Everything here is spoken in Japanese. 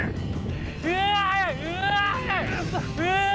うわ！